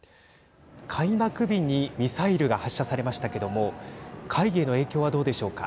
開幕日にミサイルが発射されましたけども会議への影響はどうでしょうか。